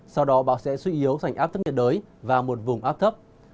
sau đó bão sẽ suy yếu dành áp thấp nhiệt đới vào một vùng áp thấp